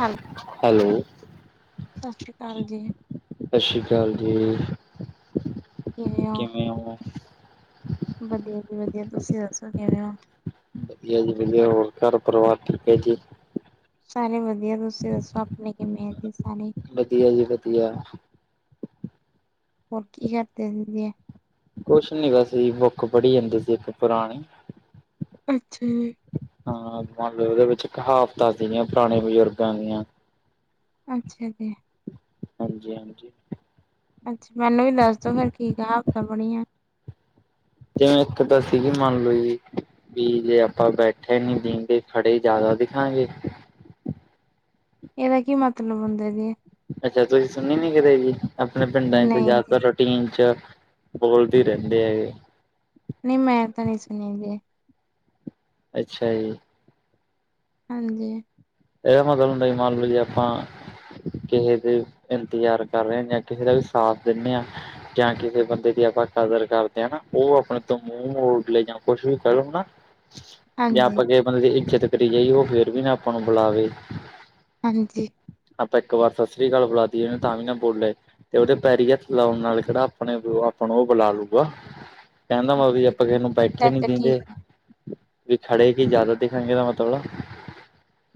Hello, hello, ਸਤਿ ਸ੍ਰੀ ਅਕਾਲ ਜੀ। ਸਤਿ ਸ੍ਰੀ ਅਕਾਲ ਜੀ ਕਿਵੇਂ ਓ? ਵਧੀਆ ਜੀ ਵਧੀਆ, ਤੁਸੀਂ ਦੱਸੋ ਕਿਵੇਂ ਓ? ਵਧੀਆ ਜੀ ਵਧੀਆ, ਹੋਰ ਘਰ ਪਰਿਵਾਰ ਠੀਕ ਆ ਜੀ। ਸਾਰੇ ਵਧੀਆ ਤੁਸੀਂ ਦੱਸੋ ਆਪਣੇ ਕਿਵੇਂ ਆ ਜੀ ਸਾਰੇ? ਵਧੀਆ ਜੀ ਵਧੀਆ। ਹੋਰ ਕੀ ਕਰਦੇ ਸੀਗੇ। ਕੁਛ ਨੀ ਬਸ ਬੁੱਕ ਪੜ੍ਹੀ ਜਾਂਦੀ ਸੀ, ਇੱਕ ਪੁਰਾਣੀ ਅੱਛਾ ਜੀ, ਹਾਂ, ਉਹਦੇ ਵਿੱਚ ਕਹਾਵਤਾਂ ਸੀਗੀਆਂ ਪੁਰਾਣੇ ਬਜ਼ੁਰਗਾਂ ਦੀਆਂ। ਅੱਛਾ ਜੀ, ਹਾਂਜੀ ਹਾਂਜੀ, ਅੱਛਾ ਮੈਨੂੰ ਵੀ ਦੱਸ ਦੋ ਫੇਰ ਕੀ ਕਹਾਵਤਾਂ ਬਣੀਆਂ। ਜਿਵੇਂ ਇੱਕ ਤਾਂ ਸੀ ਗੀ ਮੰਨ ਲਓ ਜੀ। ਵੀ ਜੇ ਆਪਾਂ ਬੈਠੇ ਨੀ ਦਿੰਦੇ ਖੜੇ ਜ਼ਿਆਦਾ ਦਿਖਾਂਗੇ। ਇਹਦਾ ਕੀ ਮਤਲਬ ਹੁੰਦਾ ਜੀ। ਅੱਛਾ, ਤੁਸੀਂ ਸੁਣੀ ਨੀ ਕਿਤੇ ਜੀ ਆਪਣੇ ਪਿੰਡਾਂ ਚ ਤੇ ਨਹੀਂ ਜ਼ਿਆਦਾਤਰ ਜੀ, ਰੋ ਟੀਨ ਚ ਬੋਲਦੇ ਰਹਿੰਦੇ ਐ ਗੇ। ਨਹੀਂ ਮੈਂ ਤਾਂ ਨੀ ਸੁਣੀ ਜੀ। ਅੱਛਾ ਜੀ, ਹਾਂਜੀ, ਇਹ ਦਾ ਮਤਲਬ ਹੁੰਦਾ ਮੰਨ ਲਓ ਜੀ ਆਪਾਂ, ਕਿਸੇ ਦੇ ਇੰਤਜ਼ਾਰ ਕਰ ਰਹੇ ਜਾਂ ਕਿਸੇ ਦਾ ਵੀ ਸਾਥ ਦੀਨੇ ਆ, ਜਾਂ ਕਿਸੇ ਬੰਦੇ ਦੀ ਆਪਾਂ ਕਦਰ ਕਰਦੇ ਆ ਨਾ ਉਹ ਆਪਣੇ ਤੋਂ ਮੂੰਹ ਮੋੜਲੇ ਜਾਂ ਕੁਛ ਵੀ ਕਰੋ ਨਾ ਜੇ ਹਾਂਜੀ, ਆਪਾਂ ਕਿਸ ਬੰਦੇ ਦੀ ਇੱਜਤ ਕਰੀ ਜਾਈ ਉਹ ਫੇਰ ਵੀ ਨਾ ਆਪਾਂ ਨੂੰ ਬੁਲਾਵੇ। ਹਾਂਜੀ, ਆਪਾਂ ਇੱਕ ਵਾਰ ਸਤਿ ਸ੍ਰੀ ਅਕਾਲ ਬੁਲਾ ਤੀ ਹਨਾ ਤਾਂ ਵੀ ਨਾ ਬੋਲੇ। ਤੇ ਉਹਦੇ ਪੈਰੀ ਹੱਥ ਲਾਉਣ ਨਾਲ ਕਿਹੜਾ ਆਪਣੇ ਆਪ ਨੂੰ ਉਹ ਬੁਲਾ ਲੂਗਾ। ਕਹਿਣ ਦਾ ਮਤਲਬ ਵੀ ਓਕੇ ਆਪਾਂ ਜੀ। ਕਿਸੇ ਨੂੰ ਅੱਛਾ ਬੈਠੇ ਨੀ ਅੱਛਾ ਠੀਕ ਦਿੰਦੇ। ਹੈ, ਵੀ ਖੜੇ ਕੀ ਜ਼ਿਆਦਾ ਦਿਖਾਂਗੇ ਏਦਾ ਮਤਲਬ,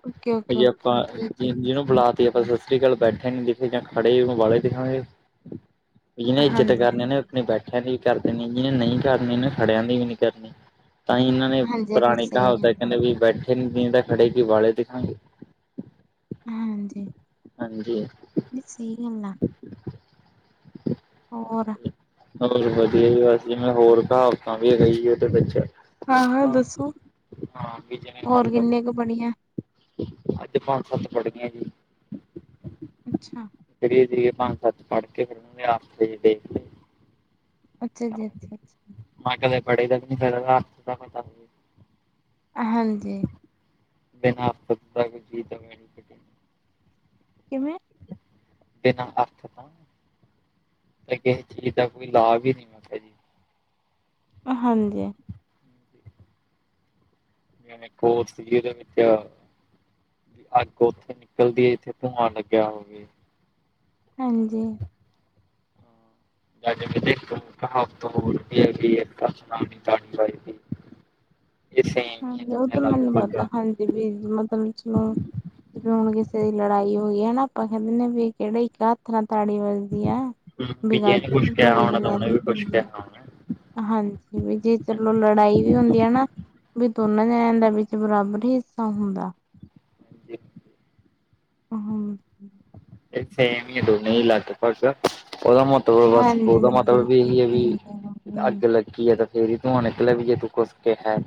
ਓਕੇ ਓਕੇ ਜੇ ਆਪਾਂ ਓਕੇ ਠੀਕ ਹੈ ਜੀ। ਜਿਹਨੂੰ ਸਮਝ ਬੁਲਾ ਤੀ ਆ ਆਪਾਂ ਗਿਆ। ਸ ਅਕਾਲ ਬੈਠੇ ਨੀ ਦਿਖੇ ਜਾਂ ਖੜੇ ਓਹਨੂੰ ਵਾਲੇ ਦਿਖਾਂਗੇ ਜਿਹਨੇ ਇੱਜਤ ਹਾਂਜੀ ਹਾਂਜੀ, ਕਰਨੀ ਆਪਣੇ ਬੈਠਿਆਂ ਦੀ ਵੀ ਕਰ ਦੇਣੀ, ਜਿਹਨੇ ਨਹੀਂ ਕਰਨੀ ਓਹਨੇ ਖੜਿਆਂ ਦੀ ਵੀ ਨੀ ਕਰਨੀ। ਤਾਂ ਹੀ ਇਹਨਾਂ ਨੇ ਹਾਂਜੀ ਇਹ ਤਾਂ ਪੁਰਾਣੀ ਸਹੀ ਕਹਾਵਤ ਗੱਲ ਆ, ਕਹਿੰਦੇ ਵੀ ਬੈਠੇ ਨੀ ਤਾਂ ਖੜੇ ਕੀ ਵਾਲੇ ਦਿਖਾ, ਹਾਂਜੀ, ਹਾਂਜੀ, ਨਹੀਂ ਸਈ ਗੱਲ ਆ। ਹੋਰ ਹੋਰ ਵਧੀਆ ਜੀ ਬਸ ਜਿਵੇਂ ਹੋਰ ਕਹਾਵਤਾਂ ਲ ਵੀ ਆ ਕਈ ਜੀ ਓਹਦੇ ਵਿੱਚ। ਹਾਂ-ਹਾਂ ਹਾਂ ਦੱਸੋ। ਹਾਂ, ਵੀ ਜਿਵੇਂ ਮੰਨ ਲਓ। ਬਣੀਆਂ। ਅੱਜ ਪੰਜ ਸੱਤ [unintelligible] ਜੀ। ਅੱਛਾ, ਫੜਏ ਸੀਗੇ ਪੰਜ ਸੱਤ ਪੜ੍ਹ ਕੇ ਫਿਰ [unintelligible] ਅੱਛਾ ਜੀ, ਅੱਛਾ ਅੱਛਾ। [unintelligible] ਹਾਂਜੀ, [unintelligible] ਕਿਵੇਂ? ਬਿਨਾਂ ਅਰਥ ਤਾਂ ਤੇ ਕਿਸੇ ਚੀਜ਼ ਦਾ ਕੋਈ ਲਾਭ ਵੀ ਨੀ ਮੈਂ ਕਿਹਾ ਜੀ। ਹਾਂਜੀ, [unintelligible] ਕੋਰਸ ਜਿਹਦੇ ਵਿੱਚ ਅੱਗ ਉੱਥੇ ਨਿਕਲਦੀ ਆ ਜਿੱਥੇ ਧੂੰਆਂ ਲੱਗਿਆ ਹੋਵੇ। ਹਾਂਜੀ, ਐ ਜਿਵੇਂ ਦੇਖੋ ਹੋਰ ਵੀ ਹੈਗੀ ਏ [inaudible] ਇਹ ਸੇਮ ਹੀ ਐ ਹਾਂਜੀ ਉਹ ਦਵੇਂ ਤਾਂ ਮੈਨੂੰ ਲਗਭਗ ਪਤਾ ਹਾਂਜੀ ਵੀ ਮਤਲਬ ਚਲੋ। ਹੁਣ ਕਿਸੇ ਦੀ ਲੜਾਈ ਹੋਈ ਹੈ ਨਾਂ ਅਪਾਂ ਕਹਿੰਦੇ ਵੀ ਕਿਹੜੇ ਇੱਕ ਹੱਥ ਨਾਲ ਤਾੜੀ ਵਜਦੀ ਐ। ਬੀ [inaudible] ਦੋ ਜਣਿਆਂ ਦੀ ਹੁੰਦੀ। ਹਾਂਜੀ, ਵੀ ਜੇ ਚਲੋ ਲੜਾਈ ਵੀ ਹੁੰਦੀ ਐ ਨਾਂ ਵੀ ਦੋਨਾਂ ਜਣਿਆਂ ਦਾ ਵਿੱਚ ਬਰਾਬਰ ਹੀ ਹਿੱਸਾ ਹੁੰਦਾ। ਜੀ। ਹਂ ਇਹ ਸੇਮ ਈ ਦੋਨੋਂ ਹੀ ਲੱਗਭਗ ਉਹਦਾ ਮ ਤੇ ਬਸ ਉਦਾਂ ਹਾਂਜੀ-ਹਾਂਜੀ ਮਤਲਬ ਵੀ ਬਿਲਕੁਲ ਇਹੀ ਹੈ ਵੀ ਸਹੀ ਗੱਲ ਆ। ਅੱਗ ਲੱਗ ਕੀ ਹੈ ਤੇ ਫੇਰ ਹੀ ਤੂੰ ਹੁਣ ਨਿਕਲ ਵੀ ਏ ਤੂੰ ਕੁੱਸ ਕੇਹੈ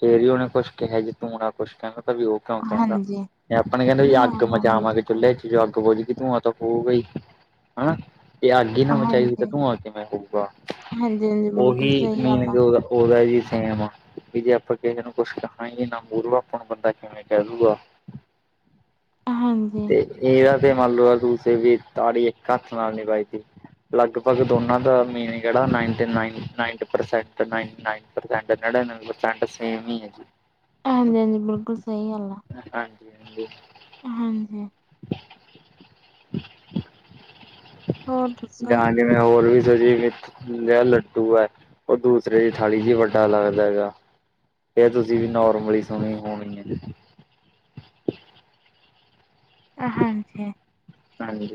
ਫੇਰ ਉਹਨੇ ਕੁਛ ਕਿਹਾ, ਜੇ ਤੂੰ ਨਾਂ ਕੁਛ ਕਹਿ ਤਾਂ ਵੀ ਉਹ ਕਹਿੰਦਾ ਹਾਂਜੀ ਤੇ ਆਪਣਾ ਕਹਿੰਦਾ ਜੇ ਨਹੀਂ ਹਾਂ ਅੱਗ ਹਾਂ ਮਚਾਵਾਂਗੇ ਬਿਲਕੁਲ ਚੁੱਲ੍ਹੇ ਚ ਜੋ ਅੱਗ ਵਾਲੀ ਗਈ ਤੂੰ ਆ ਤਾਂ ਫਊ ਗਈ ਹਨਾਂ! ਤੇ ਅੱਗ ਹੀ ਨਾਂ ਮਚਾਈ, ਤਾਂ ਹਾਂਜੀ ਤੂੰਆ ਕਿਵੇਂ ਹੋਊਗਾ। ਹਾਂਜੀ ਹਾਂਜੀ ਬਿਲਕੁਲ ਉਹੀ ਸਹੀ ਗੱਲ ਮੀਨਿੰਗ ਆ ਉਹਦਾ ਉਹਦਾ ਜੀ ਸੇਮ ਆ। ਵੀ ਜੇ ਆਪਾਂ ਕੇਹੇ ਨੂੰ ਕੁਛ ਕੈਣਾ ਹੀ ਨੀਂ ਬੋਲੋ, ਆਪ ਨੂੰ ਬੰਦਾ ਕਿਵੇਂ ਕਹਿ ਜੂਗਾ [inaudible] ਹਾਂਜੀ। ਇਹ ਆ ਤੇ ਮੰਨ ਲਓ ਤੂਸੀਂ ਵੀ ਤਾਰੀ ਇੱਕ ਕੱਥ ਨਾਲ ਨੀਂ ਵਜਦੀ। ਲਗਭਗ ਦੋਨਾਂ ਦਾ ਮੀਨਿੰਗ ਜਿਹੜਾ ninety nine, ninety percent ninety nine. Percent ਨਡਿਨਵੇਂ ਪਰਸੈਂਟ ਸੇਮ ਈ ਏ ਜੀ। ਹਾਂਜੀ ਹਾਂਜੀ, ਬਿਲਕੁਲ ਸਹੀ ਗੱਲ ਆ। ਹਾਂਜੀ ਹਾਂਜੀ। ਹਾਂਜੀ। ਹੋਰ ਦੱਸੋ। ਜਾਂ ਜਿਵੇਂ ਹੋਰ ਵੀ ਸਜੀਵ ਜਿੜਾ ਲੱਡੂ ਆ ਉਹ ਦੂਸਰੇ ਦੀ ਥਾਲੀ ਚ ਈ ਵੱਡਾ ਲੱਗਦਾ ਹੈਗਾ। ਫਿਰ ਤੁਸੀਂ ਵੀ ਨੋਰਮਲੀ ਸੁਣੀ ਹੋਣੀ ਗੀਆਂ। ਅ ਹਾਂਜੀ। ਹਾਂਜੀ।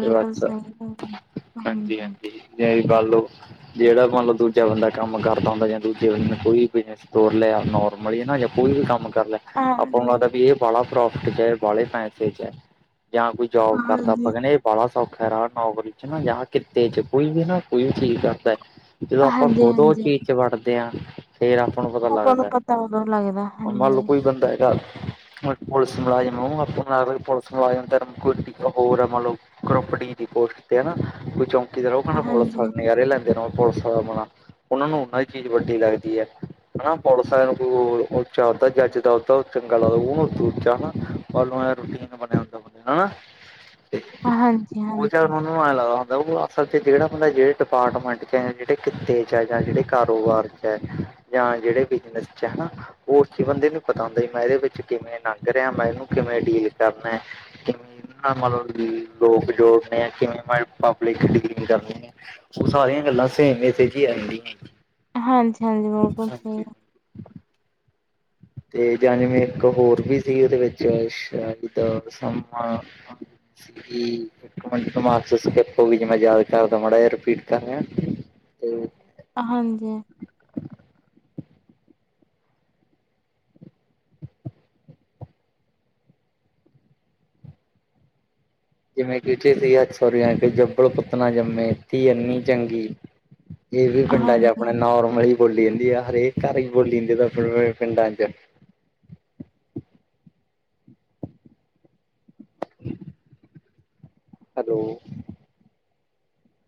ਤੇ ਬਸ ਸਹੀ ਗੱਲ ਐ ਹਾਂਜੀ। ਜਿ ਵੀ ਕਰ ਲਓ, ਜਿਹੜਾ ਮਤਲਬ ਦੂਜਾ ਬੰਦਾ ਕੰਮ ਕਰਦਾ ਹੁੰਦਾ ਜਾਂ ਦੂਜੇ ਬੰਦੇ ਨੂੰ ਕੋਈ ਬਿ ਤੋਰ ਲਿਆ, ਨੋਰਮਲ ਈਏ ਨਾਂ ਜਾਂ ਕੋਈ ਵੀ ਕੰਮ ਕਰ ਲੈ। ਆਪਾਂ ਨੂੰ ਹਾਂਜੀ ਕੈਤਾ ਵੀ ਬਾਲਾ ਪ੍ਰੋਫਿਟ ਚ ਬਾਲੇ ਪੈਸੇ ਚ ਏ ਜਾਂ ਕੋਈ ਜੋਬ ਕਰਦਾ ਹਾਂਜੀ ਆਪਾਂ ਕੇਣੈ ਬਾਲਾ ਸੌਖਾ ਰ ਨੋਵਲ ਚ ਨਾਂ ਜਾਂ ਕਿਤੇ ਚ ਕੋਈ ਵੀ ਨਾਂ ਕੋਈ ਚੀਜ਼ ਕਰਦਾ ਜਦੋਂ ਆਪਾਂ ਹਾਂਜੀ ਖੁਦ ਉਹ ਹਾਂਜੀ ਚੀਜ਼ ਚ ਵੱਡਦੇ ਆਂ। ਫੇਰ ਆਪਾਂ ਨੂੰ ਪਤਾ ਆਪਾਂ ਨੂੰ ਲੱਗਦਾ। ਪਤਾ ਉਦੋਂ ਲੱਗਦਾ ਹੁਣ ਮੰਨ ਲਓ ਹਾਂਜੀ ਕੋਈ ਬੰਦਾ ਹੈਗਾ ਪੁਲਿਸ ਮੁਲਾਜ਼ਮ [inaudible] ਆਪ ਪੁਲਸ ਮੁਲਾਜ਼ਮ ਦਤ ਕੁਝ ਹੋਰ ਏ ਮਤਲਬ ਕਰੋਪੜੀ ਦੀ ਪੋਸਟ ਤੇ ਏ ਨਾਂ ਕੁਛ ਓਂ ਕਿ ਉਹ ਕਹਿੰਦਾ ਪੁਲਿਸ ਹਾਂਜੀ ਨਜ਼ਾਰੇ ਲੈਂਦੇ ਨੇਂ ਉਹ ਪੁਲਿਸ ਵਾਲ ਆਪਣਾ, ਉਹਨਾ ਨੂੰ ਉਹਨਾਂ ਦੀ ਚੀਜ਼ ਵੱਡੀ ਲੱਗਦੀ ਐ। ਹਨਾਂ! ਪੁਲਿਸ ਆਲਿਆ ਨੂੰ ਉੱਚਾ ਹੋਦਾ ਜੱਜ ਦਾ ਉਦਾ ਚੰਗਾ ਲੱਗਦਾ, ਉਹਨੂੰ ਉਦ ਉੱਚਾ ਹਨਾਂ। ਆਲ ਰੋਟੀ ਬਣਿਆ ਹੁੰਦਾ ਹਨਾਂ! ਤੇ ਹਾਂਜੀ ਉਹ ਚਲ ਹਾਂਜੀ ਹੁਣ ਐ ਲੱਗ ਹੁੰਦਾ, ਉਹ ਅਸਲ ਚ ਜਿਹੜਾ ਬੰਦਾ ਜਿਹੜੇ ਡਿਪਾਰਟਮੈਂਟ ਚ ਜਾਂ ਜਿਹੜੇ ਕਿੱਤੇ ਚ ਆ, ਜਾਂ ਜਿਹੜੇ ਕਾਰੋਬਾਰ ਚ ਜਾਂ ਜਿਹੜੇ ਬਿਜਨਸ ਚ ਹਨਾਂ। ਉਹ ਉਸੇ ਬੰਦੇ ਨੂੰ ਪਤਾ ਹੁੰਦਾ, ਮੈਂ ਇਹਦੇ ਵਿੱਚ ਕਿਵੇਂ ਲੰਘ ਰਿਆਂ, ਮੈਂ ਇਹਨੂੰ ਕਿਵੇਂ ਡੀਲ ਕਰਨਾ। ਕਿਵੇਂ ਇਹ ਨਾਲ ਮਤਲਬ ਲੋਕ ਜੋੜਦੇ ਆ, ਕਿਵੇਂ ਮੈਂ ਪਬਲਿਕ ਡਲੀ ਕਰਨੀ। ਉਹ ਸਾਰੀਆਂ ਗੱਲਾਂ ਸੇਮ ਹੀ ਸੀ ਜੀ ਐਤਕੀ। ਹਾਂਜੀ, ਹਾਂਜੀ ਬਿਲਕੁਲ ਸਹੀ ਆ। ਤੇ ਜਾਂ ਜਿਵੇਂ ਇੱਕ ਹੋਰ ਵੀ ਸੀ, ਉਹਦੇ ਵਿੱਚ ਸ਼ਬਦ ਸਮਾ। ਕਿ ਇਕ ਮਿੰਟ ਤੋਂ ਮਾ ਮੈਂ ਯਾਦ ਕਰਦਾ ਮਾੜਾ ਜਿਹਾ ਰਿਪੀਟ ਕਰ ਰਿਹਾ। ਤੇ ਹਾਂਜੀ, ਜਿਵੇਂ ਕਿਥੇ ਹੱਥ ਸੁਰਿਆ ਕਿ ਜੱਬਲ ਪੁੱਤ ਨਾ ਜੰਮੇ ਧੀ ਅੰਨੀ ਚੰਗੀ। ਇਹ ਵੀ ਪਿੰਡਾਂ ਚ ਹਾਂਜੀ ਆਪਣੇ ਨੋਰਮਲ ਹੀ, ਬੋਲੀ ਜਾਂਦੀ ਆ ਹਰੇਕ ਘਰ ਚ ਬੋਲੀ ਜਾਂਦੀ ਪਿੰਡਾਂ ਚ,, ਹੈਲੋ,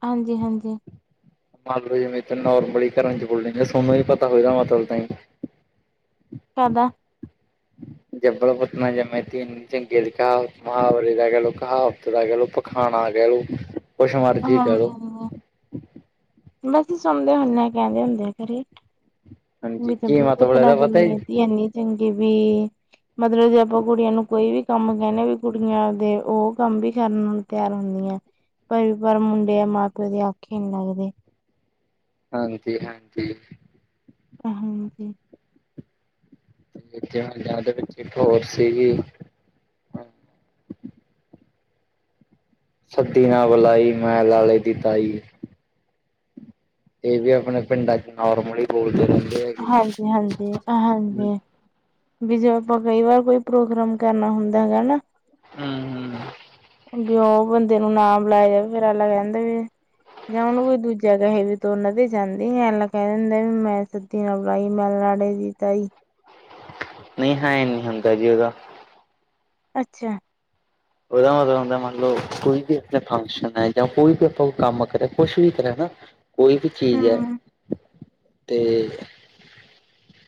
ਹਾਂਜੀ, ਹਾਂਜੀ, ਮੰਨ ਲਓ ਜਿਵੇਂ ਨੋਰਮਲੀ ਘਰਾਂ ਚ ਬੋਲਦੇ ਤੁਹਾਨੂੰ ਹੀ ਪਤਾ ਹੋਏਦਾ ਮਤਲਬ। ਕਾਹਦਾ? ਜਬਲ ਪੁਤ ਨਾ ਜੰਮੇ ਧੀ ਅੰਨੀ। ਚੰਗੇ ਦੀ ਕਹਾਵਤ ਮਹਾਵਰੇ ਦਾ ਕਹਿਲ ਲੋ ਕਹਾਵਤ ਦਾ ਕਹਿਲੋ ਪਖਾਣਾ ਕਹਿ ਲੋ। ਕੁਛ ਮਰਜ਼ੀ ਕਹਿ ਹਾਂਜੀ ਲਓ। ਹਾਂਜੀ ਬਸ ਸੁਣਦੇ ਹੁੰਦੇ ਕਹਿੰਦੇ ਹੁੰਦੇ ਆ ਘਰੇ। ਵੀ ਹਾਂਜੀ ਕੀ ਜੰਬਲ ਪੁੱਤ ਮਤਲਬ ਨਾ ਇਹਦਾ ਪਤਾ ਹੈ ਜੰਮੀ ਜੀ ਦੀ ਅੰਨੀ ਚੰਗੀ ਵੀ। ਮਤਲਬ ਜੇ ਆਪਾਂ ਕੁੜੀਆਂ ਨੂੰ ਕੋਈ ਵੀ ਕੰਮ ਕਹਿੰਦੇ ਵੀ ਕੁੜੀਆਂ ਦੇ ਉਹ ਕੰਮ ਵੀ ਕਰਨ। ਤਿਆਰ ਹੁੰਦੀਆਂ, ਪਰ ਪਰ ਮੁੰਡੇ ਮਾਂ ਪਿਓ ਦੇ ਅਖੇ ਨੀ ਲੱਗਦੇ। ਹਾਂਜੀ ਹਾਂ ਜੀ। ਹਮ ਜਿਵੇਂ ਜਾਂ ਤਾਂ ਵਿਚ ਇਕ ਹੋਰ ਸੀਗੀ। ਸੱਦੀ ਨਾ ਬੁਲਾਈ ਮੈਂ ਲਾਲੇ ਦੀ ਤਾਈ। ਇਹ ਵੀ ਆਪਣੇ ਪਿੰਡਾਂ ਚ ਨੋਰਮਲ ਹੀ ਬੋਲਦੇ ਰਹਿੰਦੇ ਹੈਗੇ ਹਾਂਜੀ ਹਾਂਜੀ ਹੂੰ। ਹਾਂਜੀ ਵੀ ਜੇ ਆਪਾਂ ਕਈ ਵਾਰ ਕੋਈ ਪ੍ਰੋਗਰਾਮ ਕਰਨਾ ਹੁੰਦਾ ਹੈਗਾ, ਨਾ। ਹੂੰ, ਅੱਗੇ ਉਹ ਬੰਦੇ ਨੂੰ ਨਾਮ ਬੁਲਾਏ ਜਾ ਫੇਰ ਆਗਲਾ ਕਹਿ ਦਿੰਦਾ ਵੀ ਜਾਂ ਉਹਨੂੰ ਕੋਈ ਦੂਜਾ ਕਹੇ ਵੀ ਤੁਰਨ ਤੇ ਜਾਂਦੀ ਇਲਾ ਕਹਿ ਦਿੰਦਾ ਵੀ ਮੈਂ,। ਤੇਰਾ ਬਾਈ ਮੈਂ ਲਾੜੇ ਦੀ ਤਾਈ। ਨਹੀਂ ਏਹ ਨਹੀਂ ਹੁੰਦਾ ਜੀ ਉਹਦਾ, ਅੱਛਾ, ਉਹਦਾ ਮਤਲਬ ਹੁੰਦਾ ਮੰਨ ਲਓ, ਕੋਈ ਵੀ ਆਪਣੇ ਫੰਕਸ਼ਨ ਹੈ, ਜਾਂ ਕੋਈ ਵੀ ਆਪਾਂ ਕੰਮ ਕਰੇ ਕੁਛ ਵੀ ਕਰੇ ਨਾ। ਕੋਈ ਵੀ ਹੂੰ ਚੀਜ਼ ਹੈ ਤੇ,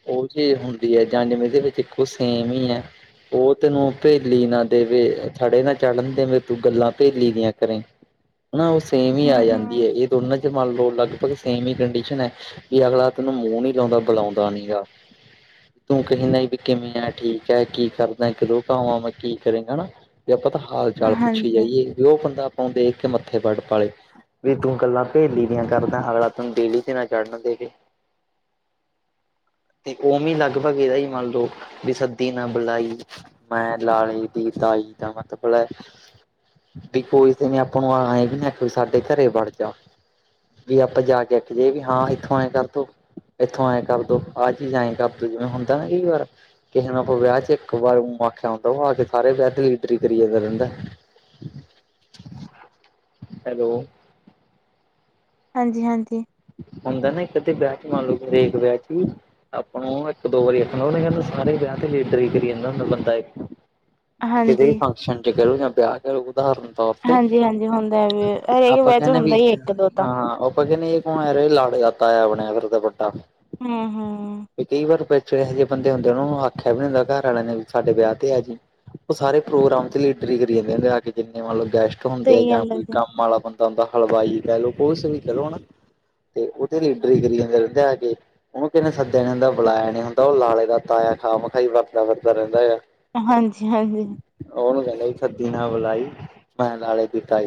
ਉਹ ਚੀਜ਼ ਹੁੰਦੀ ਹੈ, ਜਾਂ ਜੰਝ ਮੇਲ ਵਿੱਚ ਇੱਕੋ ਸੇਮ ਹੀ ਹੈ। ਉਹ ਤੈਨੂੰ ਭੇਲੀ ਨਾ ਦੇਵੇ। ਥੜੇ ਨਾ ਚੜ੍ਹਨ ਦੇ ਮੇ ਤੂੰ ਗੱਲਾਂ ਭੇਲੀ ਦੀਆਂ ਘਰੇ ਉਹਨਾਂ ਨੂੰ ਸੇਮ ਹੀ ਆ ਹੂੰ ਜਾਂਦੀ ਹੂੰ ਹੈ, ਇਹ ਦੋਨਾਂ ਚ ਮੰਨ ਲਓ ਲਗਭਗ ਸੇਮ ਹੀ ਕੰਡੀਸ਼ਨ ਹੈ, ਵੀ ਅਗਲਾ ਤੈਨੂੰ ਮੂੰਹ ਨੀ ਲਾਦਾ ਬੁਲਾਦਾ ਨੀ ਗਾ। ਤੂੰ ਕਹਿੰਦਾ ਵੀ ਕਿਵੇਂ ਆ ਠੀਕ ਹੈ, ਕੀ ਕਰਦਾ ਕਿ ਭਾਵਾਂ ਮੈਂ ਕੀ ਕਰੇਗਾ। ਵੀ ਆਪਾਂ ਤਾਂ ਹਾਲ ਚਾਲ ਪੁੱਛੀ ਹਾਂਜੀ ਜਾਈਏ, ਵੀ ਉਹ ਬੰਦਾ ਆਪਾਂ ਨੂੰ ਦੇਖ ਕੇ ਮੱਥੇ ਵੱਟ ਪਾ ਲਏ। ਵੀ ਤੂੰ ਗੱਲਾਂ ਭੇਲੀ ਦੀਆਂ ਕਰਦਾ, ਅਗਲਾ ਤੈਨੂੰ ਦੇਲੀ ਤੇ ਨਾ ਚੜਨ ਦੇਵੇ। ਤੇ ਉਵੇਂ ਲਗਭਗ ਇਹਦਾ ਹੀ ਮੰਨ ਲੋਓ, ਵੀ ਸੱਦੀ ਨਾ ਬੁਲਾਈ। ਮੈਂ ਲਾਡੇ ਦੀ ਤਾਈ, ਮਤ ਫੇਰ ਵੀ ਕੋਈ ਆਪ ਆਈ ਵੀ, [inaudible] ਸਾਡੇ ਘਰੇ ਵੜ ਜਾ ਵੀ ਆਪਾਂ ਜਾ ਕੇ ਆਖ ਜੇ ਵੀ ਹਾਂ ਇੱਥੋਂ ਆਏ ਕਰ ਤੂੰ ਇੱਥੋਂ ਆਏ ਕਦੇ ਤੋਂ ਬਾਅਦ ਆਏ ਕ ਦੋ ਜਿਵੇਂ ਹੁੰਦਾ, ਨਾ ਕਈ ਵਾਰ ਕਿਸੇ ਨੇ ਆਪ ਵਿਆਹ ਚ ਇੱਕ ਵਾਰ ਆਖਿਆ ਹੁੰਦਾ, ਵਾ ਆ ਕੇ ਸਾਰੇ ਵਿਆਹ ਦ ਕਰੀਏ ਰਹਿੰਦਾ ਹੈਲੋ। ਹਾਂਜੀ ਹਾਂਜੀ ਹੁੰਦਾ ਨਾ ਇੱਕਦੇ ਵਿਆਹ ਚ ਮੰਨ ਲਓ ਵਿਆਹ ਚ ਵੀ ਆਪਾਂ ਇੱਕ ਦੋ ਵਾਰੀ ਆਖਣਾ ਉਹਨੇ ਕਹਿੰਦੇ ਸਾਰੇ ਵਿਆਹ ਤੇ ਲੀਡਰ ਹੀ ਕਰੀ ਜਾਂਦਾ ਹੁੰਦਾ ਬੰਦਾ ਇੱਕ ਕਿਦੇ ਹਾਂਜੀ, ਫੰਕਸ਼ਨ ਚ ਕਰੋ ਜਾਂ ਵਿਆਹ ਕਰੋ ਉਦਾਹਰਨ ਤੌਰ ਤੇ ਹਾਂਜੀ-ਹਾਂਜੀ ਹੁੰਦਾ ਵੀ ਹਰੇਕ ਆਪਾਂ ਬੈਚ ਕਹਿੰਣੇ ਹੁੰਦਾ ਵੀ ਹੀ ਇੱਕ ਦੋ ਤਾਂ। ਹਾਂ ਆਪਾਂ ਕਹਿੰਦੇ। ਮੈਂਰੇ ਲਾੜਾ ਏਕ ਆਇਆ ਆਪਣੇ ਫਿਰ ਤੇ ਵੱਡਾ ਹਮ ਵੀ ਕਈ ਵਾਰ ਬ ਇਹੋ ਜਿਹੇ ਬੰਦੇ ਹੁੰਦੇ ਉਹਨ ਆਖਿਆ ਵੀ ਨੀ ਹੁੰਦਾ ਘਰ ਵਾਲਿਆਂ ਨੇ ਵੀ ਸਾਡੇ ਵਿਆਹ ਤੇ ਹੈ ਜੀ ਉਹ ਸਾਰੇ ਪ੍ਰੋਗਰਾਮ ਤੇ ਲੀਡਰ ਕਰੀ ਜਾਂਦੇ ਆ ਕੇ ਜਿੰਨੇ ਮਤਲਬ ਗੈਸਟ ਹੁੰਦੇ ਆ ਸਹੀ ਜਾਂ ਗੱਲ ਹੈ ਕੋਈ ਜੀ। ਕੰਮ ਵਾਲਾ ਬੰਦਾ ਹੁੰਦਾ ਹਲਵਾਈ ਕਹਿ ਲਓ ਕੁਛ ਵੀ ਕਹਿ ਲੋ ਹਨਾ ਤੇ ਉਥੇ ਵਿ ਲੀਡਰ ਹੀਗੇ ਵਿਆਹ ਤੇ ਉਹਨੂੰ ਕਿਸੇ ਸੱਦਿਆ ਨੀ ਹੁੰਦਾ ਬੁਲਾਇਆ ਨੀ ਹੁੰਦਾ ਉਹ ਲਾਲੇ ਦਾ ਤਾਇਆ ਖਾ ਮ ਖਾਈ ਵਖਦਾ ਰਹਿੰਦਾ ਹੈਗਾ ਹਾਂਜੀ ਹਾਂਜੀ ਉਹਨੂੰ ਵੇਲੇ ਛਤੀ ਨਾ ਬਲਾਈ ਮੈਂ ਲਾਲੇ ਦੀ ਤਾਇ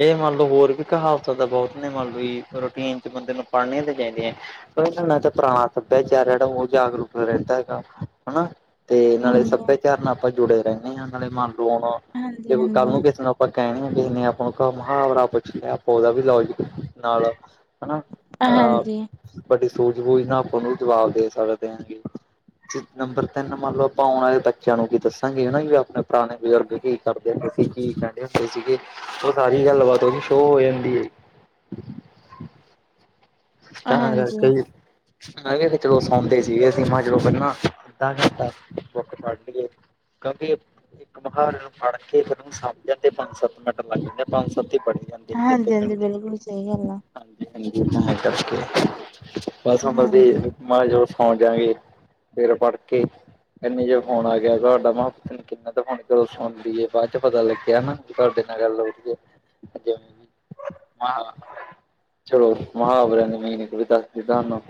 ਇਹ ਮੰਨ ਲਓ ਹੋਰ ਵੀ ਕਹਾਵਤਾਂ ਤਾਂ ਬਹੁਤ ਨੇ ਮੰਨ ਲਓ ਵੀ ਰੂਟੀਨ ਚ ਬੰਦੇ ਨੂੰ ਪੜ੍ਹਨੀਆਂ ਤੇ ਚਾਹੀਦੀਆਂ ਤਾਂ ਪੁਰਾਣਾ ਸੱਭਿਆਚਾਰ ਜਿਹੜਾ ਉਹ ਜਾਗਰੂਕ ਰਹਿੰਦਾ ਹੈਗਾ ਹਨਾ ਤੇ ਨਾਲੇ ਹਾਂਜੀ। ਸੱਭਿਆਚਾਰ ਨਾਲ ਆਪਾਂ ਜੁੜੇ ਰਹਿੰਦੇ ਹਾਂ ਨਾਲੇ ਮੰਨ ਲਓ ਹੁਣ ਜੇ ਕੋਈ ਕੱਲ ਹਾਂਜੀ-ਹਾਂਜੀ। ਨੂੰ ਕਿਸੇ ਨਾਲ ਆਪਾਂ ਕਹਿਣੀ ਆ ਕਿਸੇ ਨੇ ਆਪਾਂ ਨੂੰ ਮਹਾਵਰਾ ਪੁੱਛ ਲਿਆ ਆਪਾਂ ਉਹਦਾ ਵੀ ਲਓ ਜ ਨਾਲ ਹਨਾ ਅਹ ਹਾਂਜੀ, ਵਡੀ ਸੂਝ ਬੂਝ ਨਾਲ ਆਪੂੰ ਜਵਾਬ ਦੇ ਸਕਦੇ ਹਾਂਗੇ ਨੰਬਰ ਤਿੰਨ ਮੰਨ ਲਓ ਆਪਾਂ ਆਉਣ ਵਾਲੇ ਬੱਚਿਆਂ ਨੂੰ ਕੀ ਦੱਸਾਂਗੇ ਹਨਾ ਵੀ ਆਪਣੇ ਪੁਰਾਣੇ ਬਜ਼ੁਰਗ ਕੀ ਕਰਦੇ ਹੁੰਦੇ ਸੀ ਕੀ ਕਹਿੰਦੇ ਹੁੰਦੇ ਸੀਗੇ ਉਹ ਸਾਰੀ ਗੱਲਬਾਤ ਉਹਦੀ ਸ਼ੋਅ ਹੋ ਜਾਂਦੀ ਹੈ ਸਤਾਂਰਾ ਅਗਸਤ ਤੇ ਹਾਂਜੀ, ਵਿ ਮ ਤੇ ਚਲੋ ਸੌਂਦੇ ਸੀਗੇ ਸੀਮਾ ਚਲੋ ਪਹਿਲਾਂ ਅੱਧਾ ਘੰਟਾ ਬੁੱਕ ਪੜ ਲਈਏ ਕਿਉਂਕਿ ਇੱਕ ਮਹਾਰੇ ਨੂੰ ਫੜ ਕੇ ਫਿਰ ਉਹਨੂੰ ਸਮਝਣ ਤੇ ਪੰਜ ਸੱਤ ਮਿੰਟ ਲੱਗ ਜਾਂਦੇ ਪੰਜ ਸੱਤ ਪੜ੍ਹੀ ਜਾਂਦੇ ਆ ਜੀ ਅੱਧੇ ਹਾਂਜੀ ਹਾਂਜੀ ਘੰਟੇ ਚ ਬਿਲਕੁਲ ਸਹੀ ਗੱਲ ਹੈ ਹਾਂਜੀ ਹਾਂਜੀ ਕਸਕੇ ਮਸੋ ਮਸੀ ਹਾਂਜੀ। ਮੈਜੋ ਸੌ ਜਾਾਂਗੇ ਫਿਰ ਪੜ੍ਹਕੇ ਏਨੇ ਜੇ ਫੋਨ ਆ ਗਿਆ ਤੁਹਾਡਾ ਮੈਂ ਪੁੱਤ ਨੂੰ ਕਿੰਨਾ ਤੇ ਫੋਨ ਕਰੋ ਸੁਣ ਲਈਏ ਬਾਅਦ ਚ ਪਤਾ ਲੱਗਿਆਾ ਤੁਹਾਡੇ ਨਾਲ ਗੱਲ ਹੋ ਗਏ ਹੈ ਚਲੋ ਮੁਹਾਵਰਿਆਂ ਦੀ ਮੀਨ ਵੀ ਦੱਸਦੀ ਤੁਹਾਨੂੰ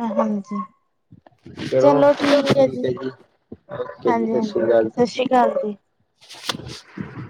ਹਾਂਜੀ ਚਲੋ ਠੀਕ ਹੈ ਜੀ ਓਕੇ ਜੀ ਹਾਂਜੀ ਸਤਿ ਸ਼੍ਰੀ ਹਾਂਜੀ ਅਕਾਲ ਸਤ ਸ੍ਰੀ ਅਕਾਲ ਜੀ [unintelligible]